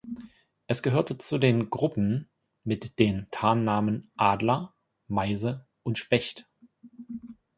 Es gehörte zu den Gruppen mit den Tarnnamen "Adler", "Meise" und "Specht".